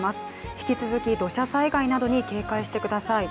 引き続き土砂災害などに警戒してください。